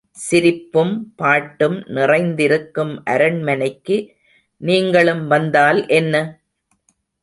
சிரிப்பும், பாட்டும் நிறைந்திருக்கும் அரண்மனைக்கு நீங்களும் வந்தால் என்ன?